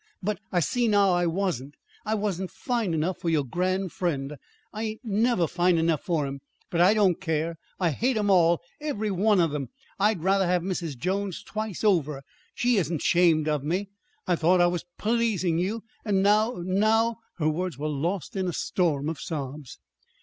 But I see now I wasn't. I wasn't fine enough for your grand friend. I ain't never fine enough for 'em. But I don't care. I hate 'em all every one of 'em! I'd rather have Mrs. Jones twice over. She isn't ashamed of me. I thought I was p pleasing you; and now now " Her words were lost in a storm of sobs.